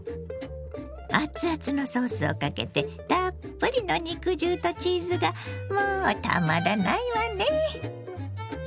熱々のソースをかけてたっぷりの肉汁とチーズがもうたまらないわね！